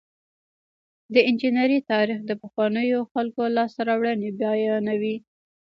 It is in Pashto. د انجنیری تاریخ د پخوانیو خلکو لاسته راوړنې بیانوي.